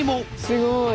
すごい。